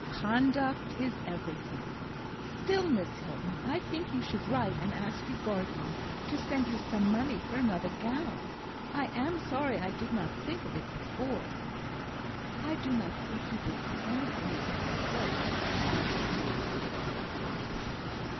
Conduct is everything. Still, Miss Hilton, I think you should write and ask your guardian to send you money for another gown. I am sorry I did not think of it before." "I do not think he would send any if I wrote," answered Ruth, in a low voice.